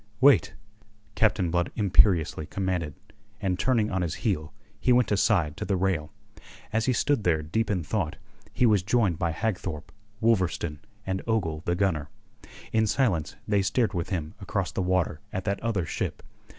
"Wait," Captain Blood imperiously commanded, and turning on his heel, he went aside to the rail. As he stood there deep in thought, he was joined by Hagthorpe, Wolverstone, and Ogle the gunner. In silence they stared with him across the water at that other ship.